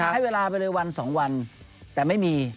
ให้เวลาไปเลยวัน๒วันแต่ไม่มี